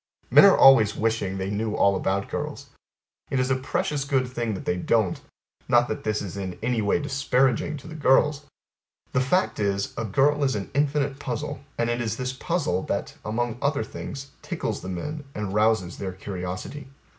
Men are always wishing they knew all about girls. It is a precious good thing that they don't. Not that this is in any way disparaging to the girls. The fact is A girl is an infinite puzzle, and it is this puzzle, that, among other things, tickles the men, and rouses their curiosity.